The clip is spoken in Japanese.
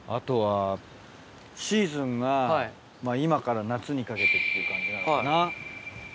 シーズンがまぁ今から夏にかけてっていう感じなのかな。